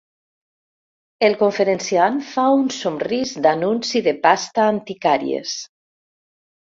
El conferenciant fa un somrís d'anunci de pasta anticàries.